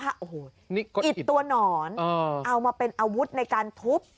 อันนี้ก็อยู่น่ะอิดตัวหนอนเอามาเป็นอาวุธในการทุบ